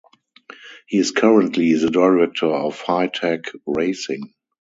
He is currently the director of Hitech Racing.